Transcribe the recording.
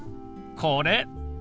これ。